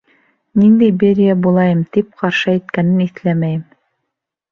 Ниндәй Берия булайым, тип ҡаршы әйткәнен иҫләмәйем.